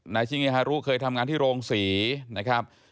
นายชิงเกฮารุเคยทำงานที่โรงศีรภภ์นะครับ